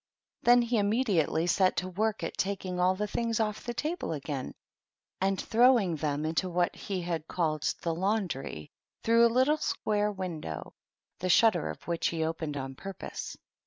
Then he immediately set to work at taking all the things off the table again and throwing them into what he had called the laundry through a little square window, the shutter of which he opened on purpose.